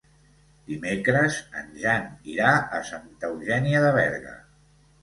Dimecres en Jan irà a Santa Eugènia de Berga.